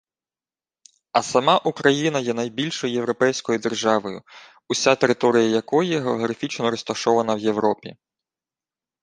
А сама Україна є найбільшою європейською державою, уся територія якої географічно розташована в Європі